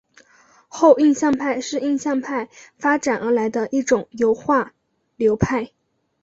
后印象派是印象派发展而来的一种油画流派。